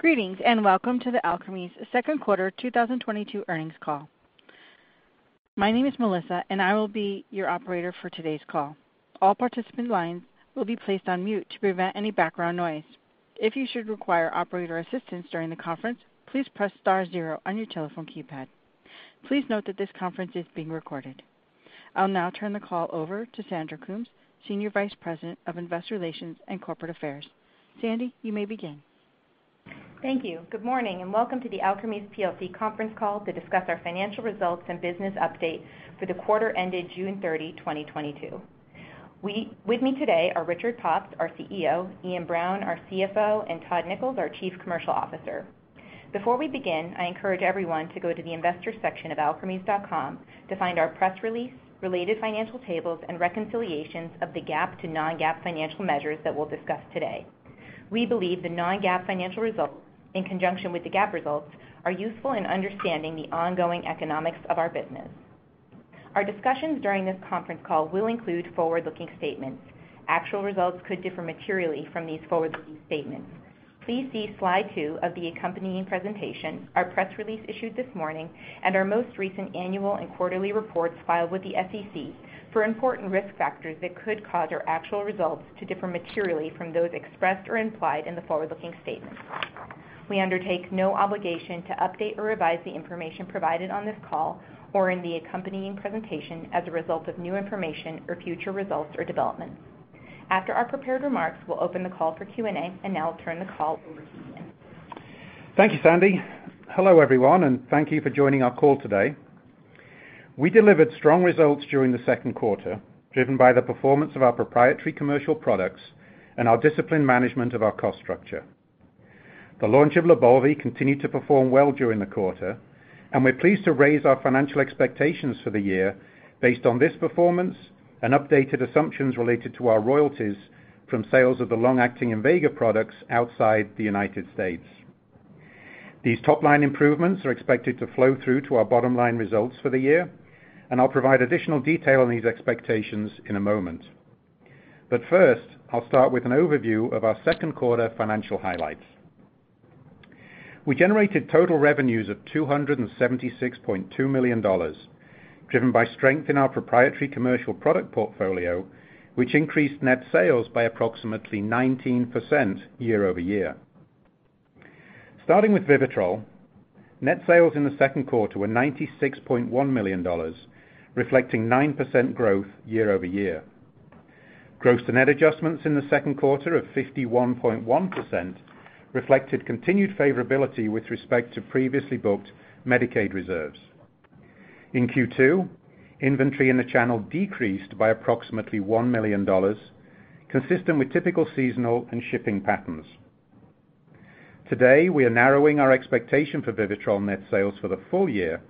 Greetings, and welcome to the Alkermes Second Quarter 2022 Earnings Call. My name is Melissa, and I will be your operator for today's call. All participant lines will be placed on mute to prevent any background noise. If you should require operator assistance during the conference, please press star zero on your telephone keypad. Please note that this conference is being recorded. I'll now turn the call over to Sandy Coombs, Senior Vice President of Investor Relations and Corporate Affairs. Sandy, you may begin. Thank you. Good morning, and welcome to the Alkermes plc conference call to discuss our financial results and business update for the quarter ended June 30, 2022. With me today are Richard Pops, our CEO, Iain Brown, our CFO, and Todd Nichols, our Chief Commercial Officer. Before we begin, I encourage everyone to go to the investor section of alkermes.com to find our press release, related financial tables, and reconciliations of the GAAP to non-GAAP financial measures that we'll discuss today. We believe the non-GAAP financial results, in conjunction with the GAAP results, are useful in understanding the ongoing economics of our business. Our discussions during this conference call will include forward-looking statements. Actual results could differ materially from these forward-looking statements. Please see slide two of the accompanying presentation, our press release issued this morning, and our most recent annual and quarterly reports filed with the SEC for important risk factors that could cause our actual results to differ materially from those expressed or implied in the forward-looking statements. We undertake no obligation to update or revise the information provided on this call or in the accompanying presentation as a result of new information or future results or developments. After our prepared remarks, we'll open the call for Q&A, and now I'll turn the call over to Iain. Thank you, Sandy. Hello, everyone, and thank you for joining our call today. We delivered strong results during the second quarter, driven by the performance of our proprietary commercial products and our disciplined management of our cost structure. The launch of LYBALVI continued to perform well during the quarter, and we're pleased to raise our financial expectations for the year based on this performance and updated assumptions related to our royalties from sales of the long-acting Invega products outside the United States. These top-line improvements are expected to flow through to our bottom-line results for the year, and I'll provide additional detail on these expectations in a moment. First, I'll start with an overview of our second quarter financial highlights. We generated total revenues of $276.2 million, driven by strength in our proprietary commercial product portfolio, which increased net sales by approximately 19% year-over-year. Starting with VIVITROL, net sales in the second quarter were $96.1 million, reflecting 9% growth year-over-year. Gross to net adjustments in the second quarter of 51.1% reflected continued favorability with respect to previously booked Medicaid reserves. In Q2, inventory in the channel decreased by approximately $1 million, consistent with typical seasonal and shipping patterns. Today, we are narrowing our expectation for VIVITROL net sales for the full year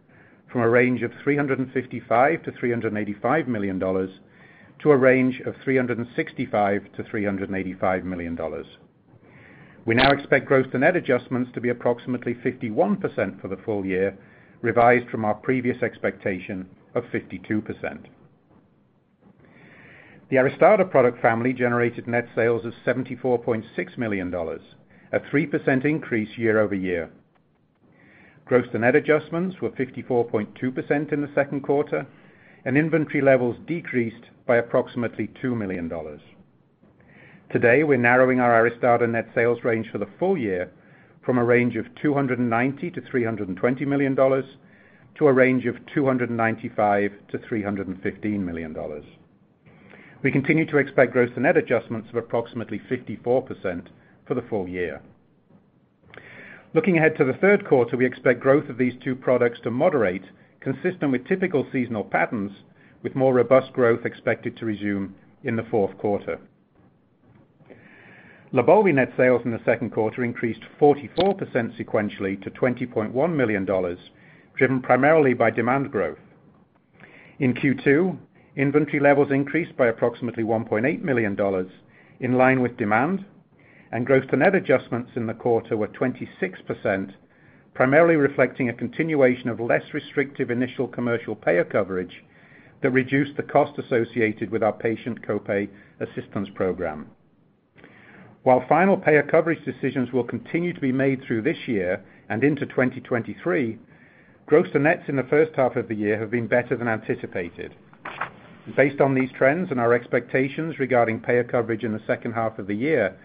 from a range of $355 million-$385 million to a range of $365 million-$385 million. We now expect gross to net adjustments to be approximately 51% for the full year, revised from our previous expectation of 52%. The ARISTADA product family generated net sales of $74.6 million, a 3% increase year-over-year. Gross to net adjustments were 54.2% in the second quarter, and inventory levels decreased by approximately $2 million. Today, we're narrowing our ARISTADA net sales range for the full year from a range of $290 million-$320 million to a range of $295 million-$315 million. We continue to expect gross to net adjustments of approximately 54% for the full year. Looking ahead to the third quarter, we expect growth of these two products to moderate consistent with typical seasonal patterns with more robust growth expected to resume in the fourth quarter. LYBALVI net sales in the second quarter increased 44% sequentially to $21 million, driven primarily by demand growth. In Q2, inventory levels increased by approximately $1.8 million in line with demand and gross to net adjustments in the quarter were 26%, primarily reflecting a continuation of less restrictive initial commercial payer coverage that reduced the cost associated with our patient co-pay assistance program. While final payer coverage decisions will continue to be made through this year and into 2023, gross to nets in the first half of the year have been better than anticipated. Based on these trends and our expectations regarding payer coverage in the second half of the year,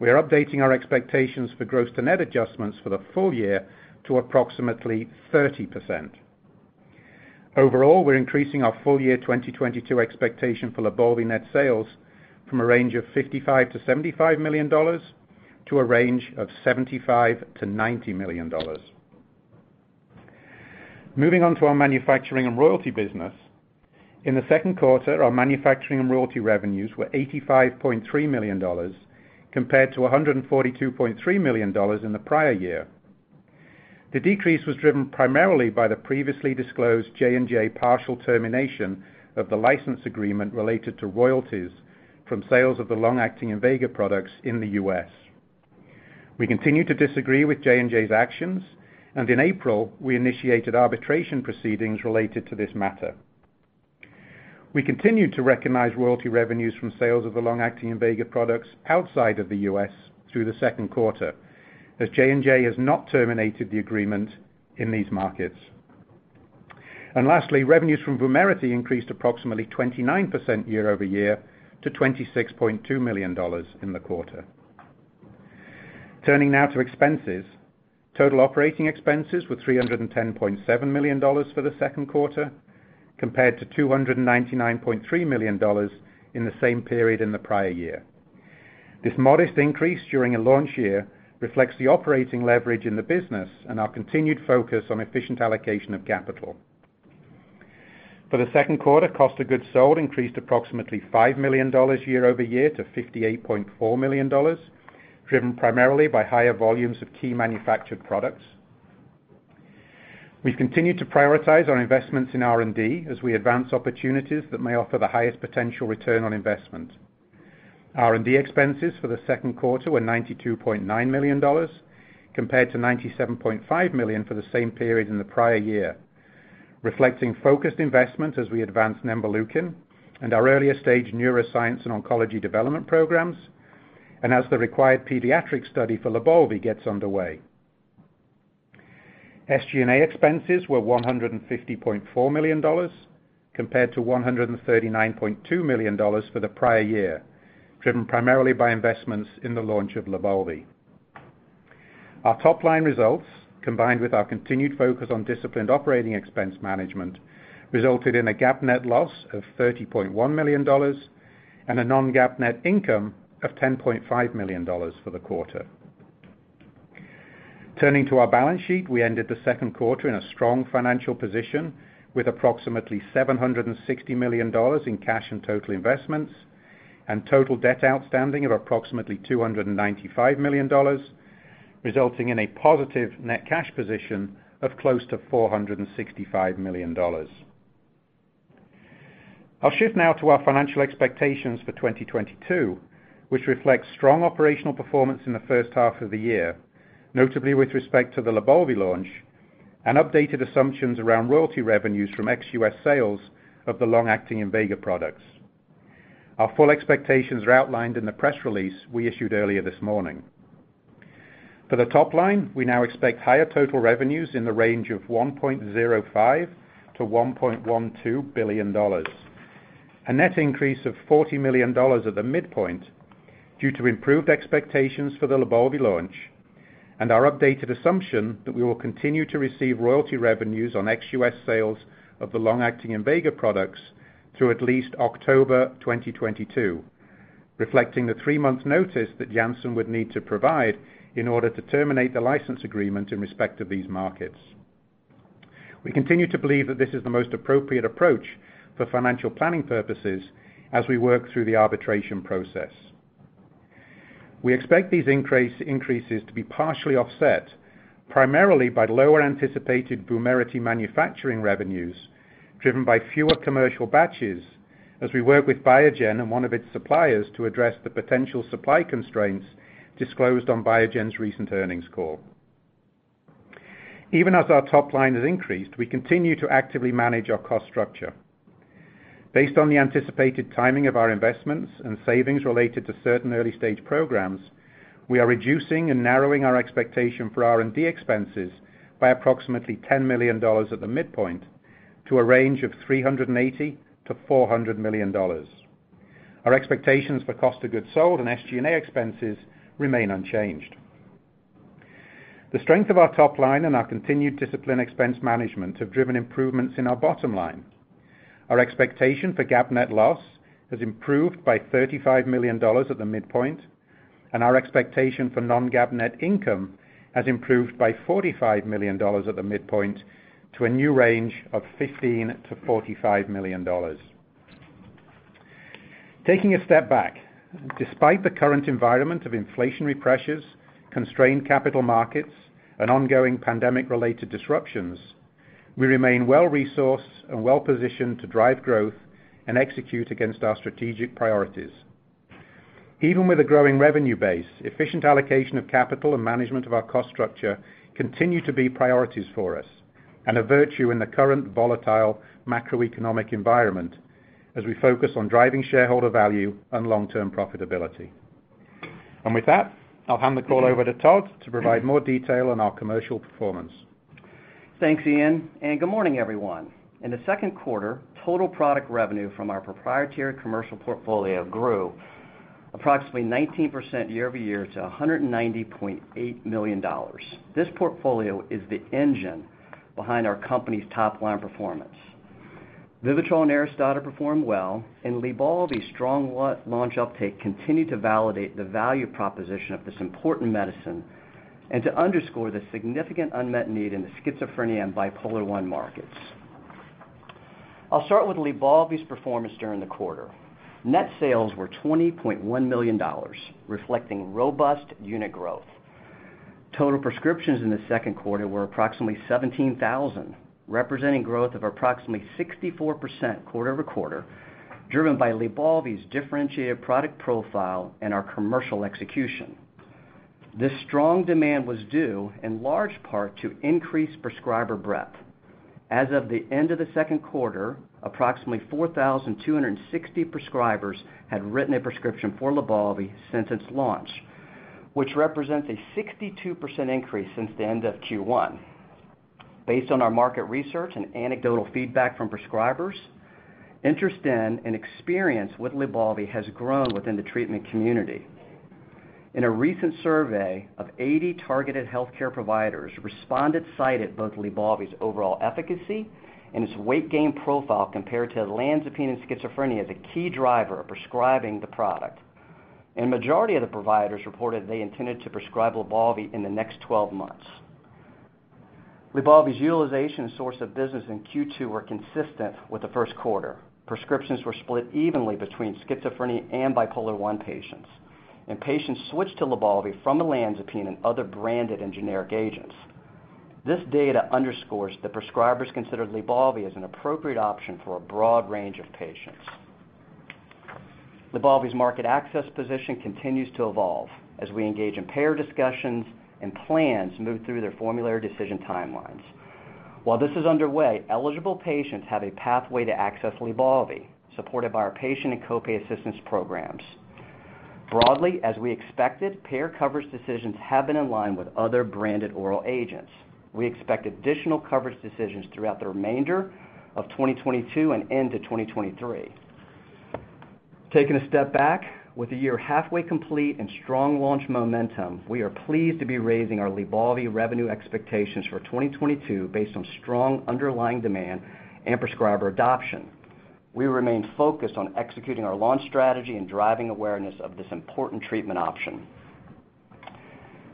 we are updating our expectations for gross to net adjustments for the full year to approximately 30%. Overall, we're increasing our full-year 2022 expectation for LYBALVI net sales from a range of $55 million-$75 million to a range of $75 million-$90 million. Moving on to our manufacturing and royalty business. In the second quarter, our manufacturing and royalty revenues were $85.3 million compared to $142.3 million in the prior year. The decrease was driven primarily by the previously disclosed J&J partial termination of the license agreement related to royalties from sales of the long-acting Invega products in the U.S. We continue to disagree with J&J's actions, and in April, we initiated arbitration proceedings related to this matter. We continued to recognize royalty revenues from sales of the long-acting Invega products outside of the U.S. through the second quarter, as J&J has not terminated the agreement in these markets. Lastly, revenues from VUMERITY increased approximately 29% year-over-year to $26.2 million in the quarter. Turning now to expenses. Total operating expenses were $310.7 million for the second quarter, compared to $299.3 million in the same period in the prior year. This modest increase during a launch year reflects the operating leverage in the business and our continued focus on efficient allocation of capital. For the second quarter, cost of goods sold increased approximately $5 million year-over-year to $58.4 million, driven primarily by higher volumes of key manufactured products. We've continued to prioritize our investments in R&D as we advance opportunities that may offer the highest potential return on investment. R&D expenses for the second quarter were $92.9 million, compared to $97.5 million for the same period in the prior year, reflecting focused investments as we advance nemvaleukin and our earlier stage neuroscience and oncology development programs, and as the required pediatric study for LYBALVI gets underway. SG&A expenses were $150.4 million compared to $139.2 million for the prior year, driven primarily by investments in the launch of LYBALVI. Our top line results, combined with our continued focus on disciplined operating expense management, resulted in a GAAP net loss of $30.1 million and a non-GAAP net income of $10.5 million for the quarter. Turning to our balance sheet, we ended the second quarter in a strong financial position with approximately $760 million in cash and total investments and total debt outstanding of approximately $295 million, resulting in a positive net cash position of close to $465 million. I'll shift now to our financial expectations for 2022, which reflects strong operational performance in the first half of the year, notably with respect to the LYBALVI launch and updated assumptions around royalty revenues from ex-U.S. sales of the long-acting Invega products. Our full expectations are outlined in the press release we issued earlier this morning. For the top line, we now expect higher total revenues in the range of $1.05 billion-$1.12 billion. A net increase of $40 million at the midpoint due to improved expectations for the LYBALVI launch and our updated assumption that we will continue to receive royalty revenues on ex-U.S. Sales of the long-acting Invega products through at least October 2022, reflecting the 3-month notice that Janssen would need to provide in order to terminate the license agreement in respect to these markets. We continue to believe that this is the most appropriate approach for financial planning purposes as we work through the arbitration process. We expect these increases to be partially offset, primarily by lower anticipated VUMERITY manufacturing revenues driven by fewer commercial batches as we work with Biogen and one of its suppliers to address the potential supply constraints disclosed on Biogen's recent earnings call. Even as our top line has increased, we continue to actively manage our cost structure. Based on the anticipated timing of our investments and savings related to certain early-stage programs, we are reducing and narrowing our expectation for R&D expenses by approximately $10 million at the midpoint to a range of $380 million-$400 million. Our expectations for cost of goods sold and SG&A expenses remain unchanged. The strength of our top line and our continued disciplined expense management have driven improvements in our bottom line. Our expectation for GAAP net loss has improved by $35 million at the midpoint, and our expectation for non-GAAP net income has improved by $45 million at the midpoint to a new range of $15 million-$45 million. Taking a step back, despite the current environment of inflationary pressures, constrained capital markets, and ongoing pandemic-related disruptions, we remain well-resourced and well-positioned to drive growth and execute against our strategic priorities. Even with a growing revenue base, efficient allocation of capital and management of our cost structure continue to be priorities for us and a virtue in the current volatile macroeconomic environment as we focus on driving shareholder value and long-term profitability. With that, I'll hand the call over to Todd to provide more detail on our commercial performance. Thanks, Iain, and good morning, everyone. In the second quarter, total product revenue from our proprietary commercial portfolio grew approximately 19% year-over-year to $190.8 million. This portfolio is the engine behind our company's top-line performance. VIVITROL and ARISTADA performed well, and LYBALVI's strong launch uptake continued to validate the value proposition of this important medicine and to underscore the significant unmet need in the schizophrenia and bipolar I markets. I'll start with LYBALVI's performance during the quarter. Net sales were $20.1 million, reflecting robust unit growth. Total prescriptions in the second quarter were approximately 17,000, representing growth of approximately 64% quarter-over-quarter, driven by LYBALVI's differentiated product profile and our commercial execution. This strong demand was due in large part to increased prescriber breadth. As of the end of the second quarter, approximately 4,260 prescribers had written a prescription for LYBALVI since its launch, which represents a 62% increase since the end of Q1. Based on our market research and anecdotal feedback from prescribers, interest in and experience with LYBALVI has grown within the treatment community. In a recent survey of 80 targeted healthcare providers, respondents cited both LYBALVI's overall efficacy and its weight gain profile compared to olanzapine in schizophrenia as a key driver of prescribing the product. Majority of the providers reported they intended to prescribe LYBALVI in the next 12 months. LYBALVI's utilization source of business in Q2 were consistent with the first quarter. Prescriptions were split evenly between schizophrenia and bipolar I patients, and patients switched to LYBALVI from olanzapine and other branded and generic agents. This data underscores that prescribers consider LYBALVI as an appropriate option for a broad range of patients. LYBALVI's market access position continues to evolve as we engage in payer discussions and plans move through their formulary decision timelines. While this is underway, eligible patients have a pathway to access LYBALVI, supported by our patient and copay assistance programs. Broadly, as we expected, payer coverage decisions have been in line with other branded oral agents. We expect additional coverage decisions throughout the remainder of 2022 and into 2023. Taking a step back, with the year halfway complete and strong launch momentum, we are pleased to be raising our LYBALVI revenue expectations for 2022 based on strong underlying demand and prescriber adoption. We remain focused on executing our launch strategy and driving awareness of this important treatment option.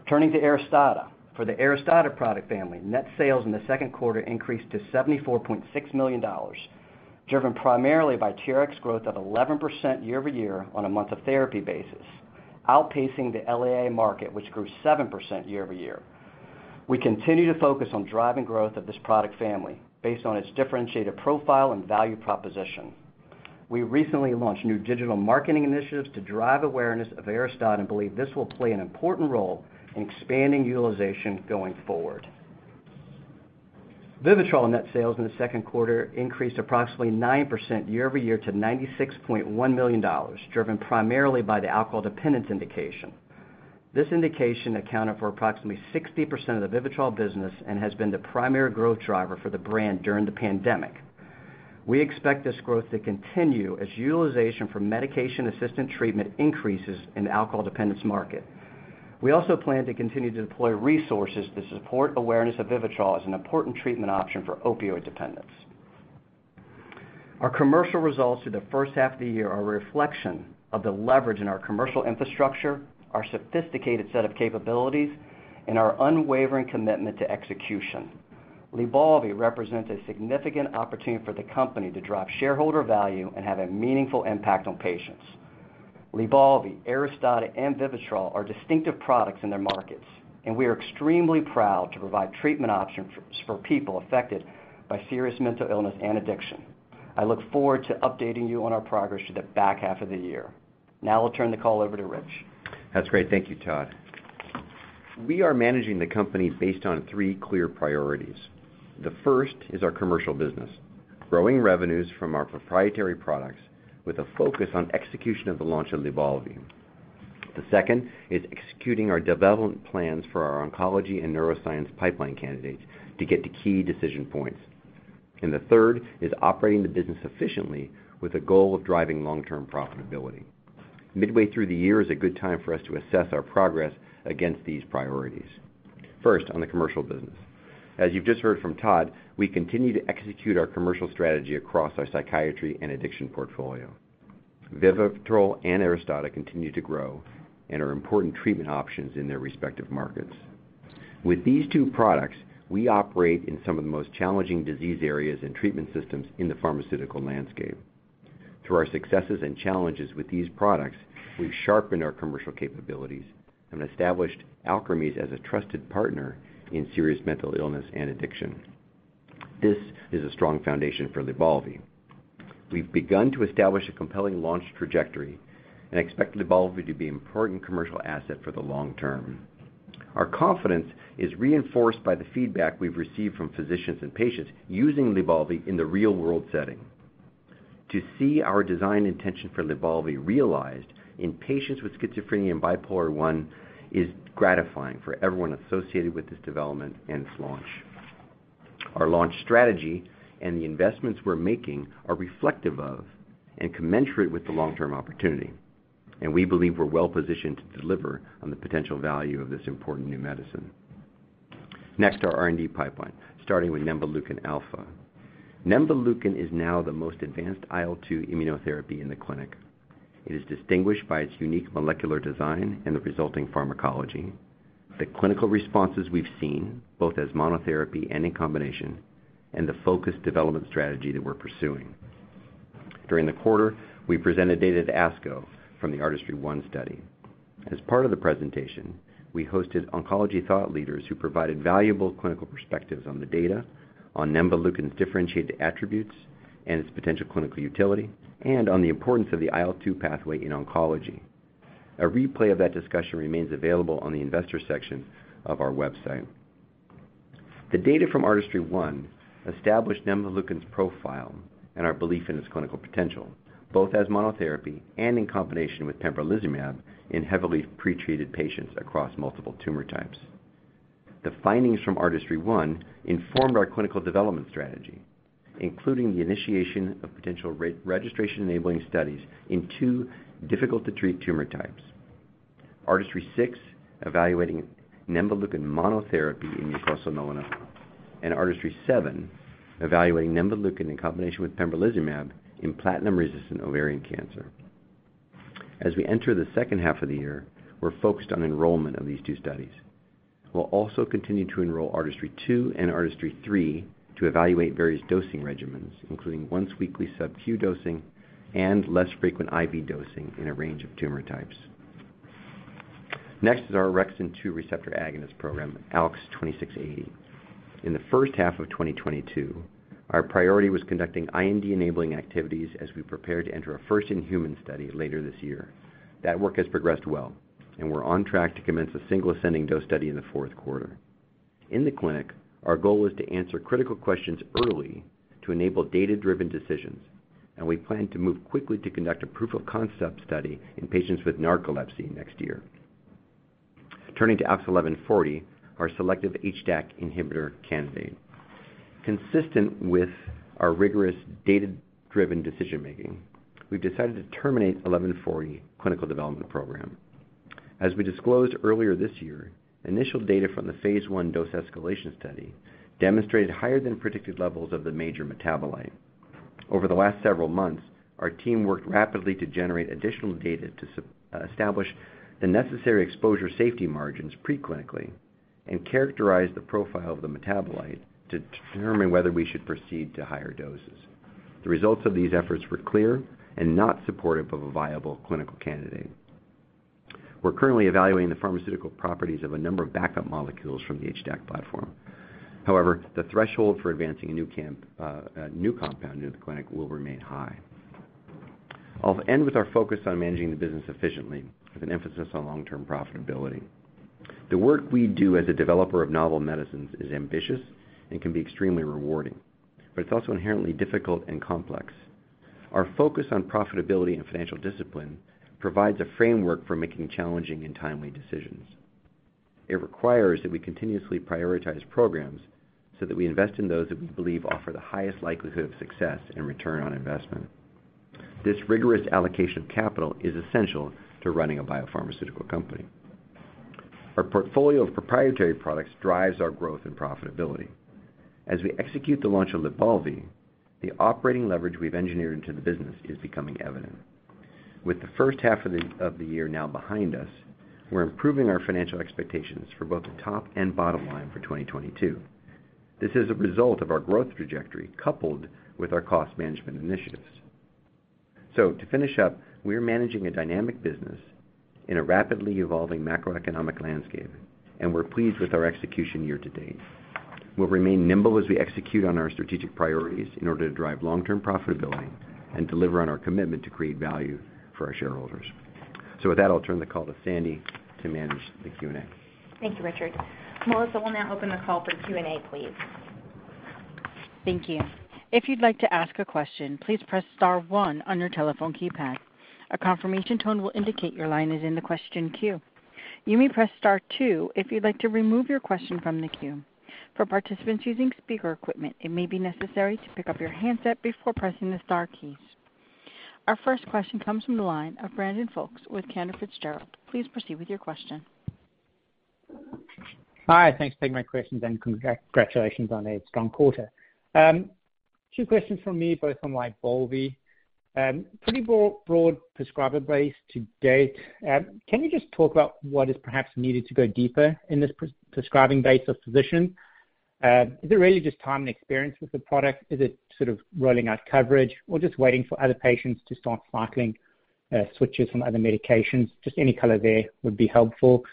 Turning to ARISTADA. For the ARISTADA product family, net sales in the second quarter increased to $74.6 million, driven primarily by TRx growth of 11% year-over-year on a month of therapy basis, outpacing the LAA market, which grew 7% year-over-year. We continue to focus on driving growth of this product family based on its differentiated profile and value proposition. We recently launched new digital marketing initiatives to drive awareness of ARISTADA and believe this will play an important role in expanding utilization going forward. VIVITROL net sales in the second quarter increased approximately 9% year-over-year to $96.1 million, driven primarily by the alcohol dependence indication. This indication accounted for approximately 60% of the VIVITROL business and has been the primary growth driver for the brand during the pandemic. We expect this growth to continue as utilization for medication-assisted treatment increases in the alcohol dependence market. We also plan to continue to deploy resources to support awareness of VIVITROL as an important treatment option for opioid dependence. Our commercial results through the first half of the year are a reflection of the leverage in our commercial infrastructure, our sophisticated set of capabilities, and our unwavering commitment to execution. LYBALVI represents a significant opportunity for the company to drive shareholder value and have a meaningful impact on patients. LYBALVI, ARISTADA, and VIVITROL are distinctive products in their markets, and we are extremely proud to provide treatment options for people affected by serious mental illness and addiction. I look forward to updating you on our progress through the back half of the year. Now I'll turn the call over to Rich. That's great. Thank you, Todd. We are managing the company based on three clear priorities. The first is our commercial business, growing revenues from our proprietary products with a focus on execution of the launch of LYBALVI. The second is executing our development plans for our oncology and neuroscience pipeline candidates to get to key decision points. The third is operating the business efficiently with a goal of driving long-term profitability. Midway through the year is a good time for us to assess our progress against these priorities. First, on the commercial business. As you've just heard from Todd, we continue to execute our commercial strategy across our psychiatry and addiction portfolio. VIVITROL and ARISTADA continue to grow and are important treatment options in their respective markets. With these two products, we operate in some of the most challenging disease areas and treatment systems in the pharmaceutical landscape. Through our successes and challenges with these products, we've sharpened our commercial capabilities and established Alkermes as a trusted partner in serious mental illness and addiction. This is a strong foundation for LYBALVI. We've begun to establish a compelling launch trajectory and expect LYBALVI to be an important commercial asset for the long term. Our confidence is reinforced by the feedback we've received from physicians and patients using LYBALVI in the real-world setting. To see our design intention for LYBALVI realized in patients with schizophrenia and bipolar I is gratifying for everyone associated with this development and its launch. Our launch strategy and the investments we're making are reflective of and commensurate with the long-term opportunity, and we believe we're well positioned to deliver on the potential value of this important new medicine. Next, our R&D pipeline, starting with nemvaleukin alfa. Nemvaleukin is now the most advanced IL-2 immunotherapy in the clinic. It is distinguished by its unique molecular design and the resulting pharmacology. The clinical responses we've seen, both as monotherapy and in combination, and the focused development strategy that we're pursuing. During the quarter, we presented data at ASCO from the ARTISTRY-1 study. As part of the presentation, we hosted oncology thought leaders who provided valuable clinical perspectives on the data, on nemvaleukin's differentiated attributes and its potential clinical utility, and on the importance of the IL-2 pathway in oncology. A replay of that discussion remains available on the investor section of our website. The data from ARTISTRY-1 established nemvaleukin's profile and our belief in its clinical potential, both as monotherapy and in combination with pembrolizumab in heavily pretreated patients across multiple tumor types. The findings from ARTISTRY-1 informed our clinical development strategy, including the initiation of potential re-registration-enabling studies in two difficult-to-treat tumor types. ARTISTRY-6, evaluating nemvaleukin monotherapy in mucosal melanoma, and ARTISTRY-7, evaluating nemvaleukin in combination with pembrolizumab in platinum-resistant ovarian cancer. As we enter the second half of the year, we're focused on enrollment of these two studies. We'll also continue to enroll ARTISTRY-2 and ARTISTRY-3 to evaluate various dosing regimens, including once-weekly subQ dosing and less frequent IV dosing in a range of tumor types. Next is our orexin 2 receptor agonist program, ALKS-2680. In the first half of 2022, our priority was conducting IND-enabling activities as we prepare to enter a first-in-human study later this year. That work has progressed well, and we're on track to commence a single ascending dose study in the fourth quarter. In the clinic, our goal is to answer critical questions early to enable data-driven decisions, and we plan to move quickly to conduct a proof-of-concept study in patients with narcolepsy next year. Turning to ALKS-1140, our selective HDAC inhibitor candidate. Consistent with our rigorous data-driven decision-making, we've decided to terminate ALKS-1140 clinical development program. As we disclosed earlier this year, initial data from the phase 1 dose-escalation study demonstrated higher than predicted levels of the major metabolite. Over the last several months, our team worked rapidly to generate additional data to establish the necessary exposure safety margins pre-clinically and characterize the profile of the metabolite to determine whether we should proceed to higher doses. The results of these efforts were clear and not supportive of a viable clinical candidate. We're currently evaluating the pharmaceutical properties of a number of backup molecules from the HDAC platform. However, the threshold for advancing a new compound into the clinic will remain high. I'll end with our focus on managing the business efficiently with an emphasis on long-term profitability. The work we do as a developer of novel medicines is ambitious and can be extremely rewarding, but it's also inherently difficult and complex. Our focus on profitability and financial discipline provides a framework for making challenging and timely decisions. It requires that we continuously prioritize programs so that we invest in those that we believe offer the highest likelihood of success and return on investment. This rigorous allocation of capital is essential to running a biopharmaceutical company. Our portfolio of proprietary products drives our growth and profitability. As we execute the launch of LYBALVI, the operating leverage we've engineered into the business is becoming evident. With the first half of the year now behind us, we're improving our financial expectations for both the top and bottom line for 2022. This is a result of our growth trajectory coupled with our cost management initiatives. To finish up, we are managing a dynamic business in a rapidly evolving macroeconomic landscape, and we're pleased with our execution year to date. We'll remain nimble as we execute on our strategic priorities in order to drive long-term profitability and deliver on our commitment to create value for our shareholders. With that, I'll turn the call to Sandy to manage the Q&A. Thank you, Richard. Melissa, we'll now open the call for Q&A, please. Thank you. If you'd like to ask a question, please press star one on your telephone keypad. A confirmation tone will indicate your line is in the question queue. You may press star two if you'd like to remove your question from the queue. For participants using speaker equipment, it may be necessary to pick up your handset before pressing the star keys. Our first question comes from the line of Brandon Folkes with Cantor Fitzgerald. Please proceed with your question. Hi, thanks for taking my questions, and congratulations on a strong quarter. Two questions from me, both on LYBALVI. Pretty broad prescriber base to date. Can you just talk about what is perhaps needed to go deeper in this prescribing base of physicians? Is it really just time and experience with the product? Is it sort of rolling out coverage or just waiting for other patients to start cycling switches from other medications? Just any color there would be helpful.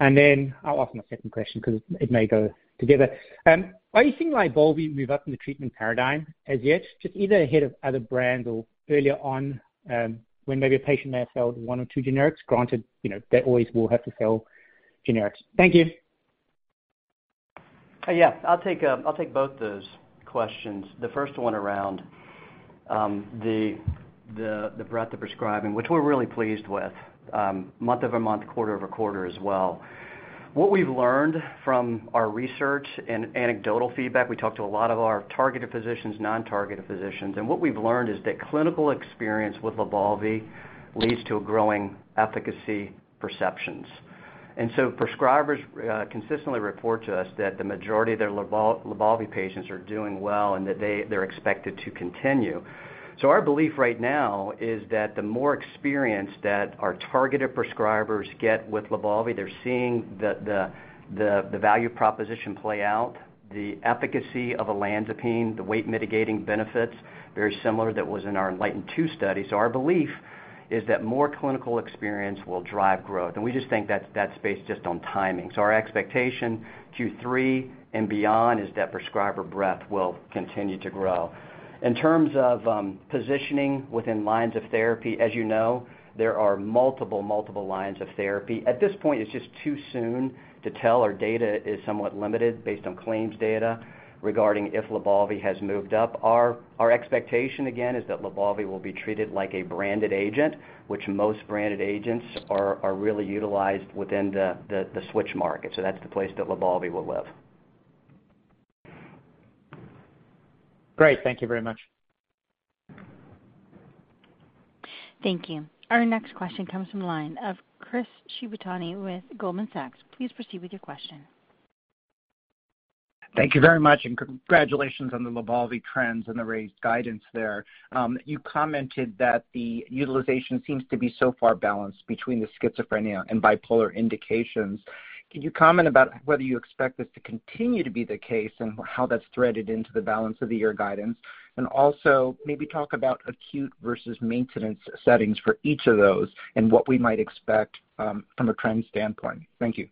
Then I'll ask my second question 'cause it may go together. Are you seeing LYBALVI move up in the treatment paradigm as yet, just either ahead of other brands or earlier on, when maybe a patient may have failed one or two generics, granted, you know, they always will have to fail generics? Thank you. Yeah, I'll take both those questions. The first one around the breadth of prescribing, which we're really pleased with, month-over-month, quarter-over-quarter as well. What we've learned from our research and anecdotal feedback, we talked to a lot of our targeted physicians, non-targeted physicians, and what we've learned is that clinical experience with LYBALVI leads to a growing efficacy perceptions. Prescribers consistently report to us that the majority of their LYBALVI patients are doing well, and that they're expected to continue. Our belief right now is that the more experience that our targeted prescribers get with LYBALVI, they're seeing the value proposition play out, the efficacy of olanzapine, the weight mitigating benefits, very similar that was in our ENLIGHTEN-2 study. Our belief I think that more clinical experience will drive growth, and we just think that's based just on timing. Our expectation Q3 and beyond is that prescriber breadth will continue to grow. In terms of positioning within lines of therapy, as you know, there are multiple lines of therapy. At this point, it's just too soon to tell. Our data is somewhat limited based on claims data regarding if LYBALVI has moved up. Our expectation, again, is that LYBALVI will be treated like a branded agent, which most branded agents are really utilized within the switch market. That's the place that LYBALVI will live. Great. Thank you very much. Thank you. Our next question comes from the line of Chris Shibutani with Goldman Sachs. Please proceed with your question. Thank you very much, and congratulations on the LYBALVI trends and the raised guidance there. You commented that the utilization seems to be so far balanced between the schizophrenia and bipolar indications. Can you comment about whether you expect this to continue to be the case and how that's threaded into the balance of the year guidance? Also maybe talk about acute versus maintenance settings for each of those and what we might expect from a trend standpoint. Thank you.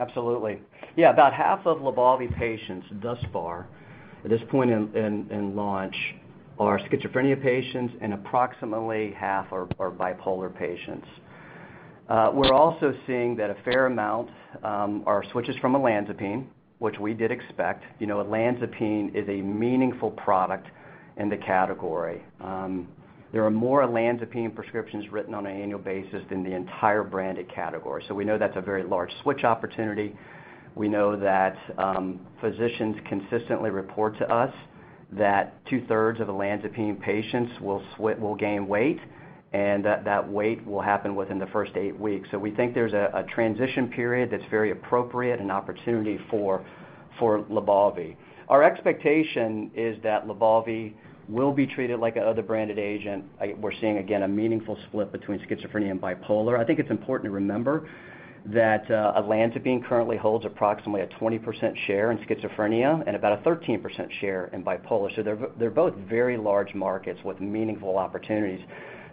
Absolutely. Yeah, about half of LYBALVI patients thus far at this point in launch are schizophrenia patients, and approximately half are bipolar patients. We're also seeing that a fair amount are switches from olanzapine, which we did expect. You know, olanzapine is a meaningful product in the category. There are more olanzapine prescriptions written on an annual basis than the entire branded category. We know that's a very large switch opportunity. We know that physicians consistently report to us that two-thirds of olanzapine patients will gain weight, and that weight will happen within the first 8 weeks. We think there's a transition period that's very appropriate and opportunity for LYBALVI. Our expectation is that LYBALVI will be treated like other branded agent. We're seeing, again, a meaningful split between schizophrenia and bipolar. I think it's important to remember that olanzapine currently holds approximately a 20% share in schizophrenia and about a 13% share in bipolar. They're both very large markets with meaningful opportunities.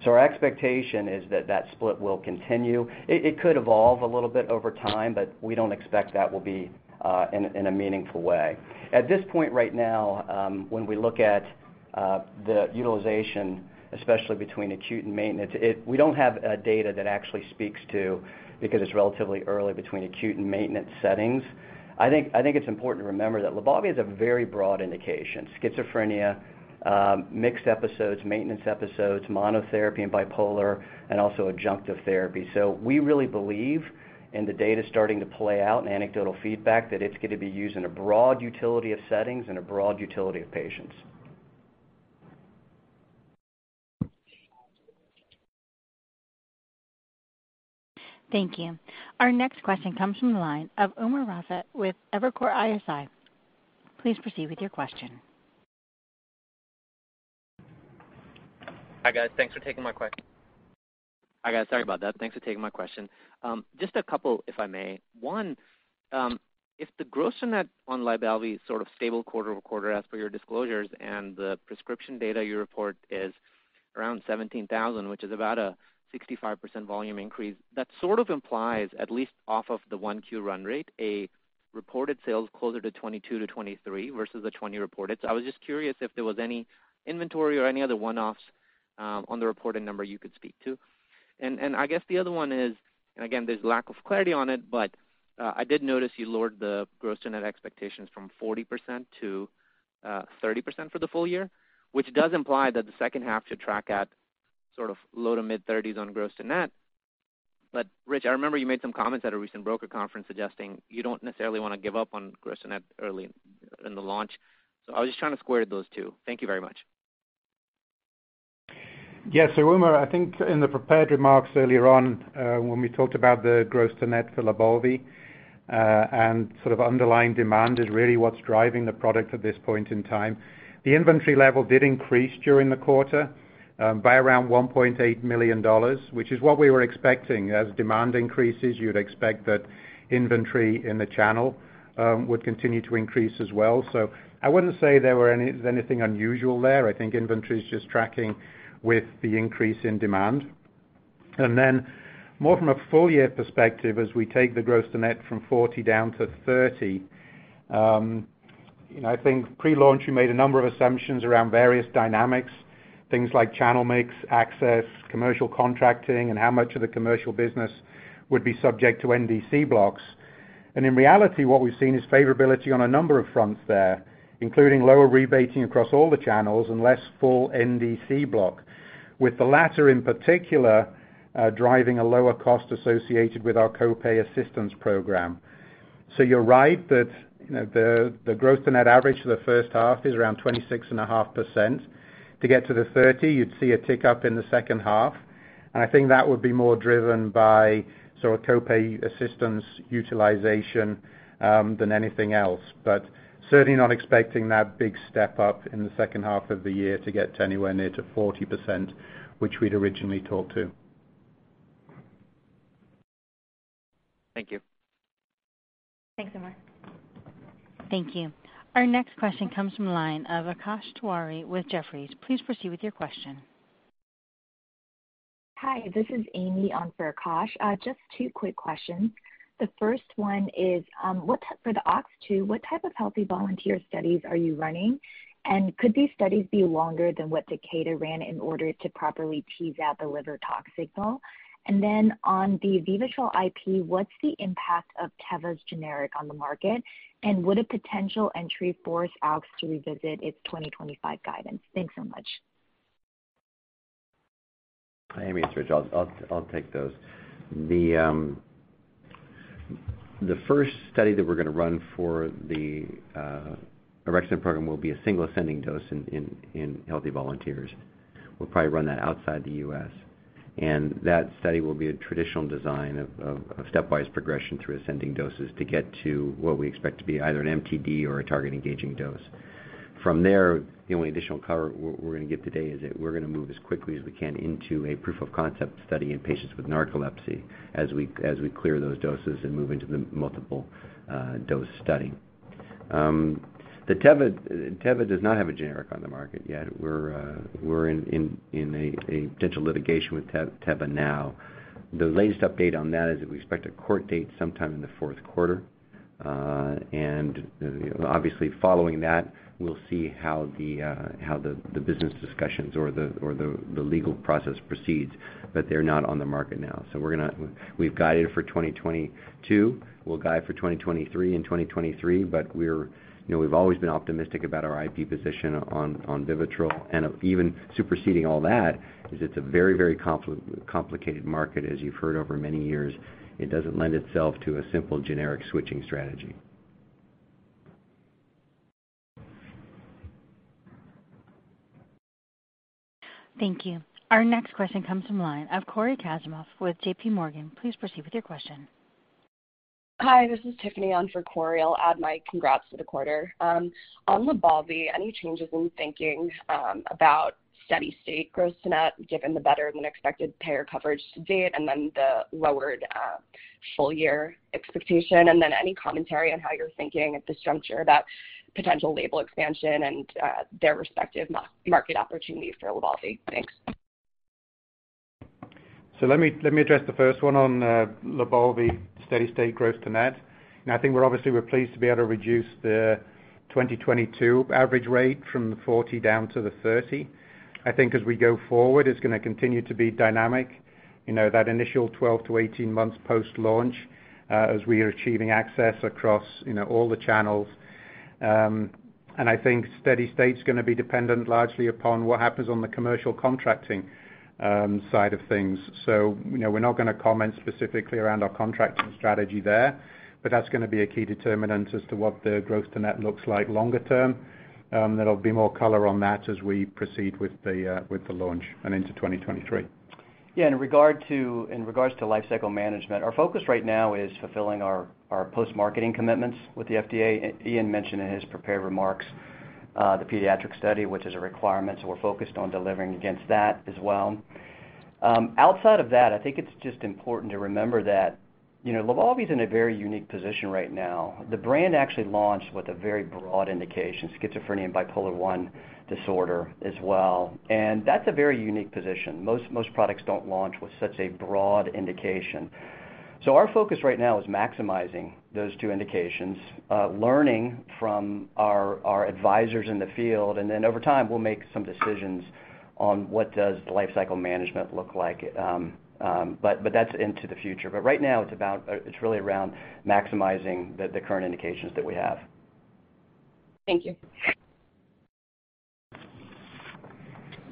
Our expectation is that split will continue. It could evolve a little bit over time, but we don't expect that will be in a meaningful way. At this point right now, when we look at the utilization, especially between acute and maintenance, we don't have data that actually speaks to because it's relatively early between acute and maintenance settings. I think it's important to remember that LYBALVI is a very broad indication. Schizophrenia, mixed episodes, maintenance episodes, monotherapy in bipolar, and also adjunctive therapy. We really believe in the data starting to play out in anecdotal feedback that it's going to be used in a broad utility of settings and a broad utility of patients. Thank you. Our next question comes from the line of Umer Raffat with Evercore ISI. Please proceed with your question. Hi, guys. Thanks for taking my question. Just a couple, if I may. One, if the gross to net on LYBALVI is sort of stable quarter-over-quarter as per your disclosures, and the prescription data you report is around 17,000, which is about a 65% volume increase, that sort of implies, at least off of the 1Q run rate, reported sales closer to $22-$23 versus the $20 reported. I was just curious if there was any inventory or any other one-offs on the reported number you could speak to. I guess the other one is, and again, there's lack of clarity on it, but I did notice you lowered the gross to net expectations from 40% to 30% for the full year, which does imply that the second half should track at sort of low- to mid-30s% on gross to net. Rich, I remember you made some comments at a recent broker conference suggesting you don't necessarily want to give up on gross to net early in the launch. I was just trying to square those two. Thank you very much. Yes. Umer, I think in the prepared remarks earlier on, when we talked about the gross to net for LYBALVI, and sort of underlying demand is really what's driving the product at this point in time. The inventory level did increase during the quarter, by around $1.8 million, which is what we were expecting. As demand increases, you'd expect that inventory in the channel, would continue to increase as well. I wouldn't say there were anything unusual there. I think inventory is just tracking with the increase in demand. More from a full year perspective, as we take the gross to net from 40% down to 30%, you know, I think pre-launch, we made a number of assumptions around various dynamics, things like channel mix, access, commercial contracting, and how much of the commercial business would be subject to NDC blocks. In reality, what we've seen is favorability on a number of fronts there, including lower rebating across all the channels and less full NDC block, with the latter, in particular, driving a lower cost associated with our co-pay assistance program. You're right that, you know, the gross to net average for the first half is around 26.5%. To get to the 30, you'd see a tick up in the second half, and I think that would be more driven by sort of co-pay assistance utilization than anything else. But certainly not expecting that big step up in the second half of the year to get to anywhere near to 40%, which we'd originally talked to. Thank you. Thanks, Umer. Thank you. Our next question comes from line of Akash Tewari with Jefferies. Please proceed with your question. Hi, this is Amy on for Akash. Just two quick questions. The first one is, what type of healthy volunteer studies are you running for the OX2? Could these studies be longer than what Takeda ran in order to properly tease out the liver tox signal? On the VIVITROL IP, what's the impact of Teva's generic on the market? Would a potential entry force Alkermes to revisit its 2025 guidance? Thanks so much. Hi, Amy, it's Rich. I'll take those. The first study that we're gonna run for the orexin program will be a single ascending dose in healthy volunteers. We'll probably run that outside the U.S. That study will be a traditional design of stepwise progression through ascending doses to get to what we expect to be either an MTD or a target engaging dose. From there, the only additional color we're gonna give today is that we're gonna move as quickly as we can into a proof of concept study in patients with narcolepsy as we clear those doses and move into the multiple dose study. Teva does not have a generic on the market yet. We're in a potential litigation with Teva now. The latest update on that is that we expect a court date sometime in the fourth quarter. You know, obviously following that, we'll see how the business discussions or the legal process proceeds, but they're not on the market now. We're gonna. We've guided for 2022. We'll guide for 2023 in 2023, but we're, you know, we've always been optimistic about our IP position on VIVITROL. Even superseding all that is it's a very complicated market as you've heard over many years. It doesn't lend itself to a simple generic switching strategy. Thank you. Our next question comes from the line of Cory Kasimov with J.P. Morgan. Please proceed with your question. Hi, this is Tiffany on for Cory Kasimov. I'll add my congrats to the quarter. On LYBALVI, any changes in thinking about steady state gross to net given the better than expected payer coverage to date and then the lowered full year expectation? Any commentary on how you're thinking at this juncture about potential label expansion and their respective market opportunities for LYBALVI. Thanks. Let me address the first one on LYBALVI steady-state gross to net. I think we're obviously pleased to be able to reduce the 2022 average rate from the 40% down to the 30%. I think as we go forward, it's gonna continue to be dynamic, you know, that initial 12-18 months post-launch, as we are achieving access across, you know, all the channels. I think steady-state's gonna be dependent largely upon what happens on the commercial contracting side of things. You know, we're not gonna comment specifically around our contracting strategy there, but that's gonna be a key determinant as to what the gross to net looks like longer term. There'll be more color on that as we proceed with the launch and into 2023. In regards to lifecycle management, our focus right now is fulfilling our post-marketing commitments with the FDA. Iain mentioned in his prepared remarks, the pediatric study, which is a requirement, so we're focused on delivering against that as well. Outside of that, I think it's just important to remember that, you know, LYBALVI's in a very unique position right now. The brand actually launched with a very broad indication, schizophrenia and bipolar I disorder as well. That's a very unique position. Most products don't launch with such a broad indication. Our focus right now is maximizing those two indications, learning from our advisors in the field, and then over time, we'll make some decisions on what does the lifecycle management look like. That's into the future. Right now, it's about. It's really around maximizing the current indications that we have. Thank you.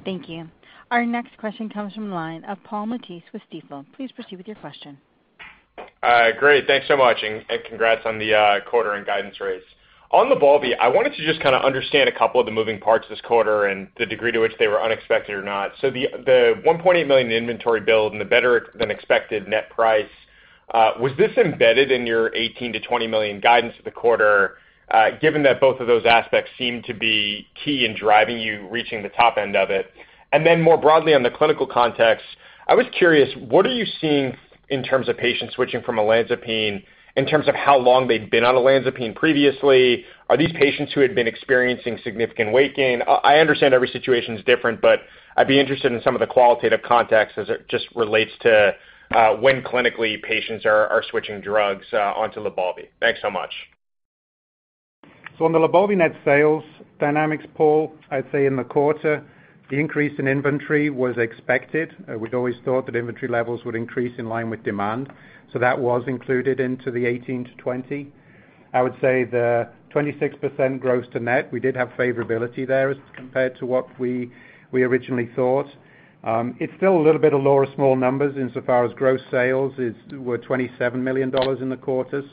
Thank you. Our next question comes from the line of Paul Matteis with Stifel. Please proceed with your question. Great. Thanks so much and congrats on the quarter and guidance raise. On LYBALVI, I wanted to just kinda understand a couple of the moving parts this quarter and the degree to which they were unexpected or not. The $1.8 million inventory build and the better than expected net price, was this embedded in your $18 million-$20 million guidance for the quarter, given that both of those aspects seem to be key in driving you reaching the top end of it? Then more broadly on the clinical context, I was curious, what are you seeing in terms of patients switching from olanzapine in terms of how long they've been on olanzapine previously? Are these patients who had been experiencing significant weight gain? I understand every situation is different, but I'd be interested in some of the qualitative context as it just relates to when clinically patients are switching drugs onto LYBALVI. Thanks so much. On the LYBALVI net sales dynamics, Paul, I'd say in the quarter, the increase in inventory was expected. We'd always thought that inventory levels would increase in line with demand. That was included into the 18%-20%. I would say the 26% gross to net, we did have favorability there as compared to what we originally thought. It's still a little bit of lower small numbers in so far as gross sales were $27 million in the quarter.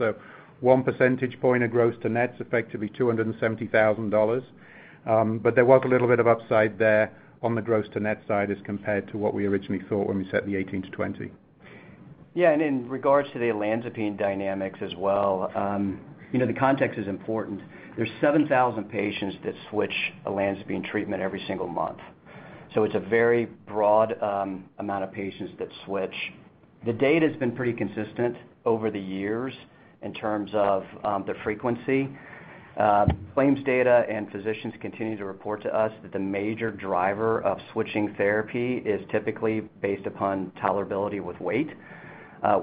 One percentage point of gross to net, effectively $270,000. But there was a little bit of upside there on the gross to net side as compared to what we originally thought when we set the 18%-20%. Yeah, in regards to the olanzapine dynamics as well, you know, the context is important. There's 7,000 patients that switch olanzapine treatment every single month. It's a very broad amount of patients that switch. The data's been pretty consistent over the years in terms of the frequency. Claims data and physicians continue to report to us that the major driver of switching therapy is typically based upon tolerability with weight.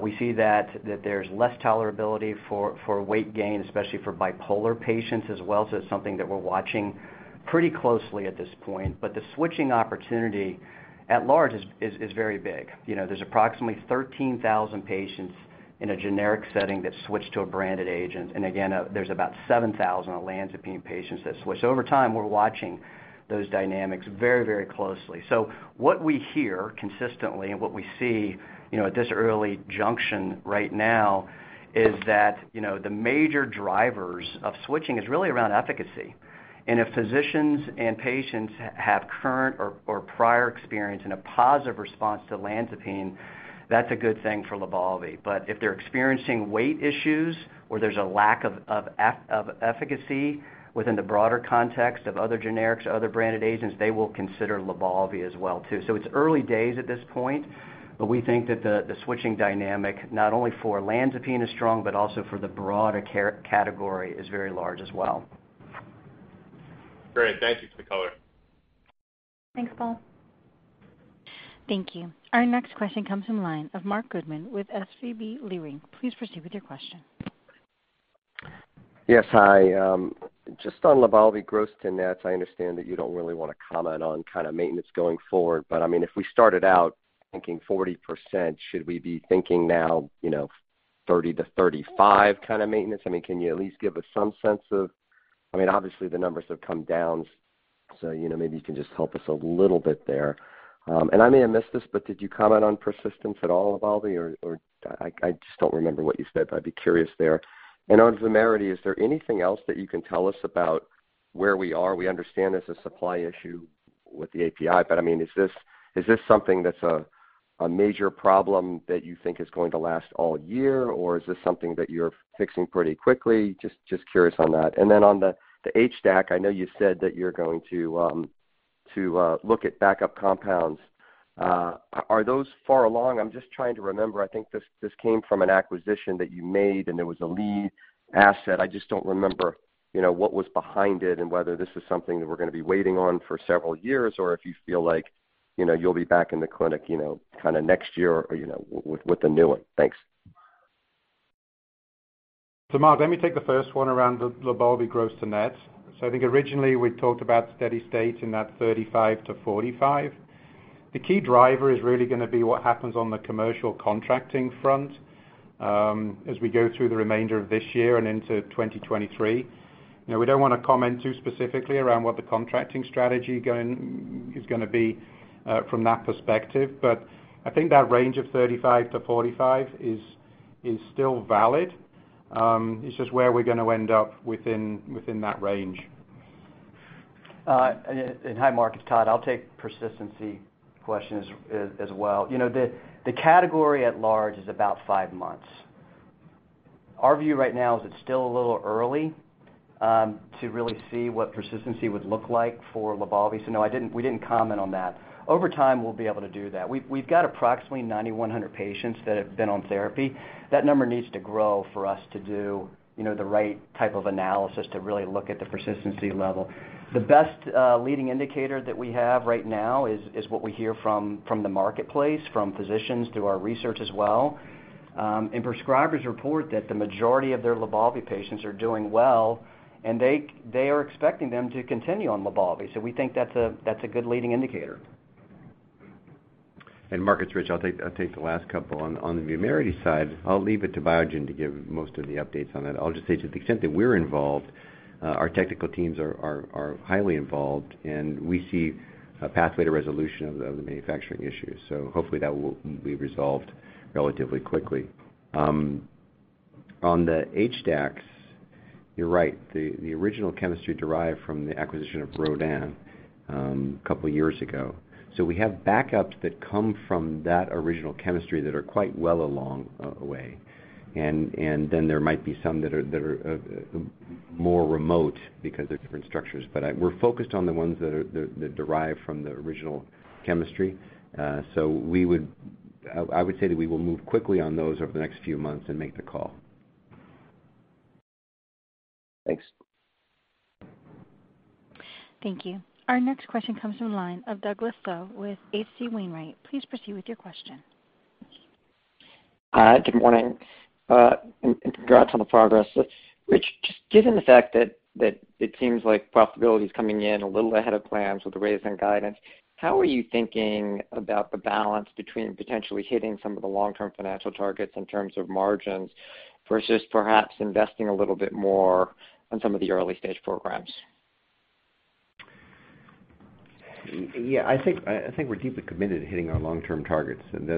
We see that there's less tolerability for weight gain, especially for bipolar patients as well. It's something that we're watching pretty closely at this point. The switching opportunity at large is very big. You know, there's approximately 13,000 patients in a generic setting that switch to a branded agent. Again, there's about 7,000 olanzapine patients that switch. Over time, we're watching those dynamics very, very closely. What we hear consistently and what we see, you know, at this early junction right now is that, you know, the major drivers of switching is really around efficacy. If physicians and patients have current or prior experience and a positive response to olanzapine, that's a good thing for LYBALVI. If they're experiencing weight issues or there's a lack of efficacy within the broader context of other generics or other branded agents, they will consider LYBALVI as well too. It's early days at this point, but we think that the switching dynamic, not only for olanzapine is strong, but also for the broader category is very large as well. Great. Thank you for the color. Thanks, Paul. Thank you. Our next question comes from the line of Marc Goodman with SVB Leerink. Please proceed with your question. Yes. Hi, just on LYBALVI gross to nets, I understand that you don't really wanna comment on kind of maintenance going forward, but I mean, if we started out thinking 40%, should we be thinking now, you know, 30%-35% kind of maintenance? I mean, can you at least give us some sense of. I mean, obviously the numbers have come down, so, you know, maybe you can just help us a little bit there. I may have missed this, but did you comment on persistence at all, or I just don't remember what you said, but I'd be curious there. On VUMERITY, is there anything else that you can tell us about where we are? We understand there's a supply issue with the API, but I mean, is this something that's a major problem that you think is going to last all year, or is this something that you're fixing pretty quickly? Just curious on that. On the HDAC, I know you said that you're going to look at backup compounds. Are those far along? I'm just trying to remember. I think this came from an acquisition that you made, and there was a lead asset. I just don't remember, you know, what was behind it and whether this is something that we're gonna be waiting on for several years, or if you feel like, you know, you'll be back in the clinic, you know, kinda next year or, you know, with the new one. Thanks. Marc, let me take the first one around the LYBALVI gross to net. I think originally we talked about steady state in that 35%-45%. The key driver is really gonna be what happens on the commercial contracting front, as we go through the remainder of this year and into 2023. You know, we don't wanna comment too specifically around what the contracting strategy is gonna be, from that perspective, but I think that range of 35%-45% is still valid. It's just where we're gonna end up within that range. And hi Marc, it's Todd. I'll take persistency questions as well. You know, the category at large is about five months. Our view right now is it's still a little early to really see what persistency would look like for LYBALVI. No, we didn't comment on that. Over time, we'll be able to do that. We've got approximately 9,100 patients that have been on therapy. That number needs to grow for us to do, you know, the right type of analysis to really look at the persistency level. The best leading indicator that we have right now is what we hear from the marketplace, from physicians through our research as well. Prescribers report that the majority of their LYBALVI patients are doing well, and they are expecting them to continue on LYBALVI. We think that's a good leading indicator. Mark, it's Rich. I'll take the last couple. On the VUMERITY side, I'll leave it to Biogen to give most of the updates on that. I'll just say to the extent that we're involved, our technical teams are highly involved, and we see a pathway to resolution of the manufacturing issues. Hopefully that will be resolved relatively quickly. On the HDACs, you're right. The original chemistry derived from the acquisition of Rodin a couple years ago. We have backups that come from that original chemistry that are quite well along the way. Then there might be some that are more remote because they're different structures. We're focused on the ones that derive from the original chemistry. We would... I would say that we will move quickly on those over the next few months and make the call. Thanks. Thank you. Our next question comes from line of Douglas Tsao with H.C. Wainwright. Please proceed with your question. Hi, good morning. Congrats on the progress. Rich, just given the fact that it seems like profitability is coming in a little ahead of plans with the raise in guidance, how are you thinking about the balance between potentially hitting some of the long-term financial targets in terms of margins versus perhaps investing a little bit more on some of the early-stage programs? Yeah, I think we're deeply committed to hitting our long-term targets, and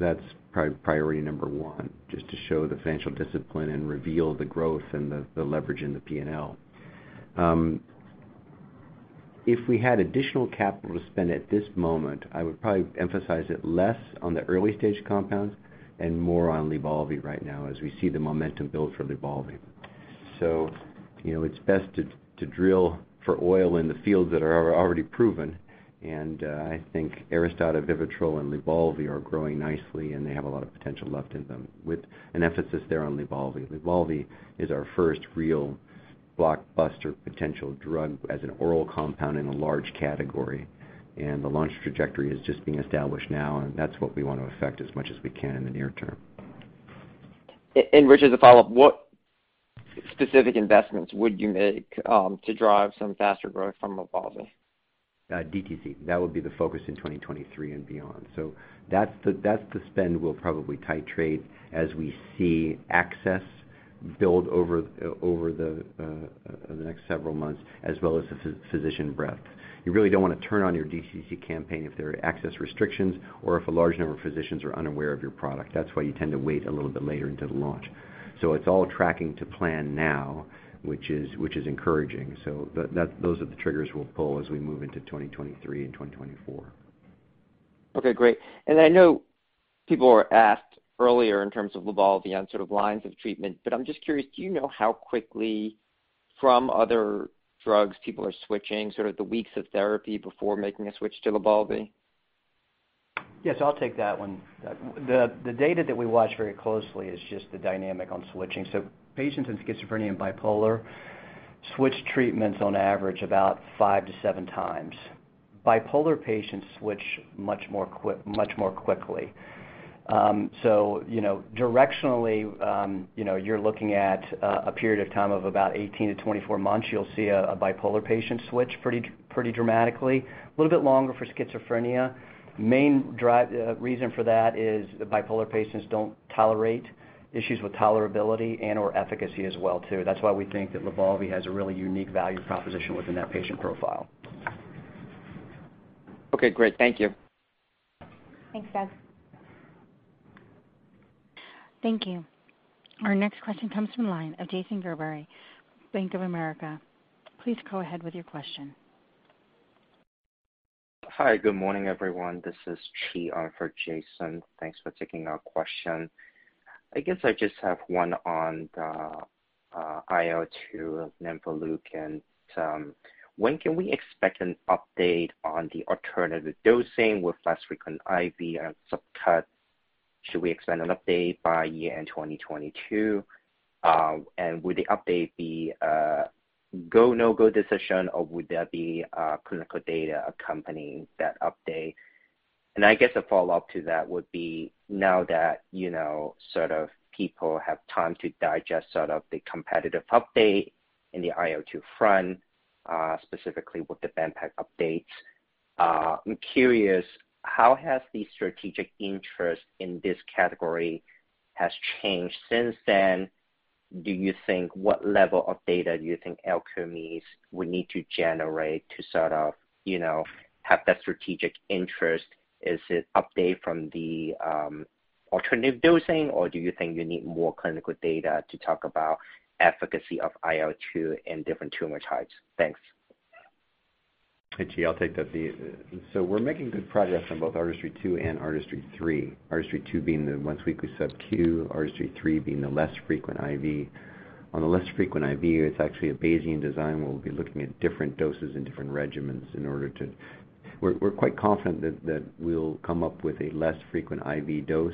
that's probably priority number one, just to show the financial discipline and reveal the growth and the leverage in the P&L. If we had additional capital to spend at this moment, I would probably emphasize it less on the early-stage compounds and more on LYBALVI right now as we see the momentum build for LYBALVI. You know, it's best to drill for oil in the fields that are already proven. I think ARISTADA, VIVITROL, and LYBALVI are growing nicely, and they have a lot of potential left in them, with an emphasis there on LYBALVI. LYBALVI is our first real blockbuster potential drug as an oral compound in a large category, and the launch trajectory is just being established now, and that's what we wanna affect as much as we can in the near term. Richard, as a follow-up, what specific investments would you make to drive some faster growth from LYBALVI? DTC. That would be the focus in 2023 and beyond. That's the spend we'll probably titrate as we see access build over the next several months as well as the physician breadth. You really don't wanna turn on your DTC campaign if there are access restrictions or if a large number of physicians are unaware of your product. That's why you tend to wait a little bit later into the launch. It's all tracking to plan now, which is encouraging. Those are the triggers we'll pull as we move into 2023 and 2024. Okay, great. I know people asked earlier in terms of LYBALVI on sort of lines of treatment, but I'm just curious, do you know how quickly from other drugs people are switching, sort of the weeks of therapy before making a switch to LYBALVI? Yes, I'll take that one. The data that we watch very closely is just the dynamic on switching. Patients in schizophrenia and bipolar switch treatments on average about 5-7 times. Bipolar patients switch much more quickly. You know, directionally, you know, you're looking at a period of time of about 18-24 months, you'll see a bipolar patient switch pretty dramatically. A little bit longer for schizophrenia. Main reason for that is the bipolar patients don't tolerate issues with tolerability and/or efficacy as well too. That's why we think that LYBALVI has a really unique value proposition within that patient profile. Okay, great. Thank you. Thanks, Doug. Thank you. Our next question comes from the line of Jason Gerberry, Bank of America. Please go ahead with your question. Hi, good morning, everyone. This is Chi on for Jason. Thanks for taking our question. I guess I just have one on the IL-2 nemvaleukin. When can we expect an update on the alternative dosing with less frequent IV and subcut? Should we expect an update by year-end 2022? Would the update be a go, no-go decision, or would there be clinical data accompanying that update? I guess a follow-up to that would be now that, you know, sort of people have time to digest sort of the competitive update in the IL-2 front, specifically with the bempegaldesleukin updates, I'm curious, how has the strategic interest in this category has changed since then? Do you think what level of data do you think Alkermes would need to generate to sort of, you know, have that strategic interest? Is it update from the alternative dosing, or do you think you need more clinical data to talk about efficacy of IL-2 in different tumor types? Thanks. Hey, Chi, I'll take that. We're making good progress on both ARTISTRY-2 and ARTISTRY-3, ARTISTRY-2 being the once weekly subQ, ARTISTRY-3 being the less frequent IV. On the less frequent IV, it's actually a Bayesian design where we'll be looking at different doses and different regimens. We're quite confident that we'll come up with a less frequent IV dose,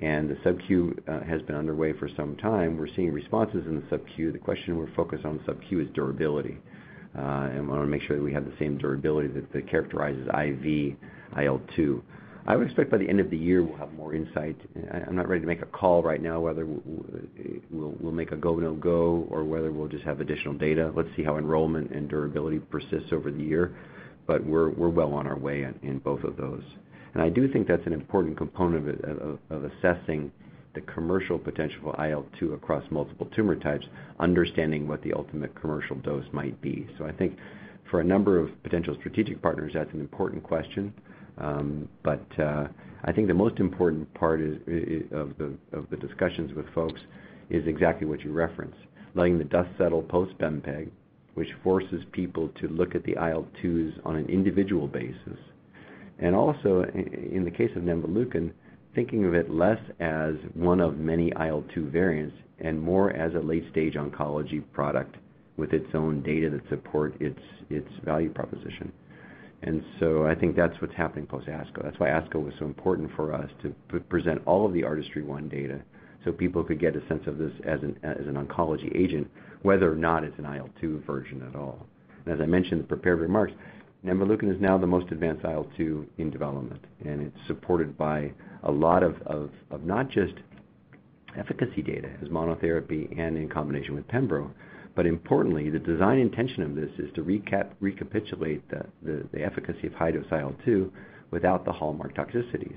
and the subQ has been underway for some time. We're seeing responses in the subQ. The question we're focused on subQ is durability. We wanna make sure that we have the same durability that characterizes IV IL-2. I would expect by the end of the year we'll have more insight. I'm not ready to make a call right now whether we'll make a go, no-go or whether we'll just have additional data. Let's see how enrollment and durability persists over the year. We're well on our way in both of those. I do think that's an important component of assessing the commercial potential for IL-2 across multiple tumor types, understanding what the ultimate commercial dose might be. I think for a number of potential strategic partners, that's an important question. I think the most important part is of the discussions with folks is exactly what you referenced, letting the dust settle post bempegaldesleukin, which forces people to look at the IL-2s on an individual basis. In the case of nemvaleukin, thinking of it less as one of many IL-2 variants and more as a late-stage oncology product with its own data that support its value proposition. I think that's what's happening post ASCO. That's why ASCO was so important for us to present all of the ARTISTRY-1 data so people could get a sense of this as an oncology agent, whether or not it's an IL-2 version at all. As I mentioned in the prepared remarks, nemvaleukin is now the most advanced IL-2 in development, and it's supported by a lot of not just efficacy data as monotherapy and in combination with pembrolizumab, but importantly, the design intention of this is to recapitulate the efficacy of high-dose IL-2 without the hallmark toxicities.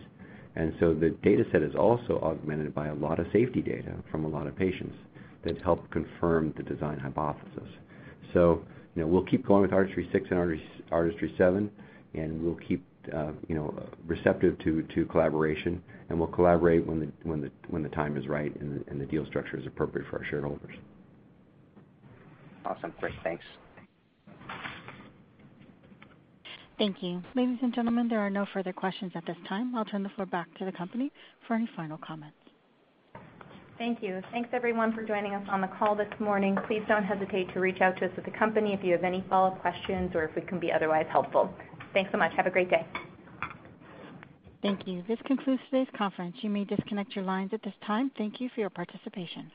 The dataset is also augmented by a lot of safety data from a lot of patients that's helped confirm the design hypothesis. You know, we'll keep going with ARTISTRY-6 and ARTISTRY-7, and we'll keep you know receptive to collaboration, and we'll collaborate when the time is right and the deal structure is appropriate for our shareholders. Awesome. Great. Thanks. Thank you. Ladies and gentlemen, there are no further questions at this time. I'll turn the floor back to the company for any final comments. Thank you. Thanks everyone for joining us on the call this morning. Please don't hesitate to reach out to us at the company if you have any follow-up questions or if we can be otherwise helpful. Thanks so much. Have a great day. Thank you. This concludes today's conference. You may disconnect your lines at this time. Thank you for your participation.